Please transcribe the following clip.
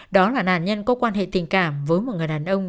đó là nạn nhân có quan hệ tình cảm với một người đàn ông